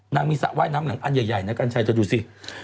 นางมีสระไหว้น้ำอันใหญ่นะกันชัยเธอดูสิ